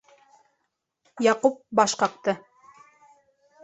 Яҡуп баш ҡаҡты.